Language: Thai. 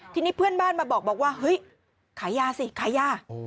ทีนี้เพื่อนบ้านมาบอกว่าเฮ้ยขายยาสิขายยา